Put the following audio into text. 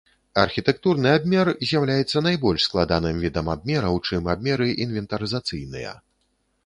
Архітэктурны абмер з'яўляецца найбольш складаным відам абмераў, чым абмеры інвентарызацыйныя.